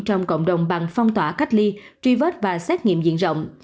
trong cộng đồng bằng phong tỏa cách ly truy vết và xét nghiệm diện rộng